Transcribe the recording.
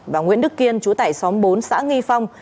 và nguyễn đức kiên chú tại xóm bốn xã nghi phong